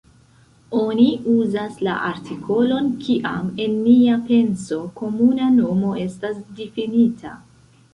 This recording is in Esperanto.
Oni uzas la artikolon kiam en nia penso komuna nomo estas difinita.